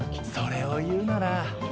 それを言うなら。